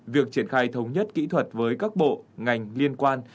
việc triển khai thống nhất kỹ thuật với các bộ ngành liên quan